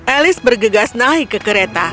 elis bergegas naik ke kereta